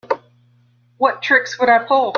What tricks would I pull?